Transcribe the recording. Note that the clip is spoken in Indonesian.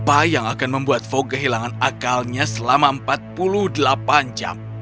apa yang akan membuat fok kehilangan akalnya selama empat puluh delapan jam